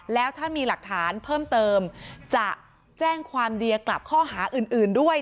แล้วถ้ามีหลักฐานเพิ่มเติมจะแจ้งความเดียกลับข้อหาอื่นด้วย